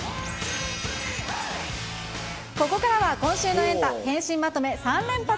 ここからは今週のエンタ、まとめ、３連発。